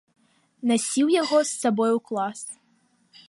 Насіў яго з сабою ў клас.